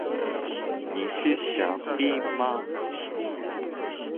你是傻逼吗？